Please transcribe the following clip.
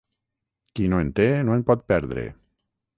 Qui no en té no en pot perdre.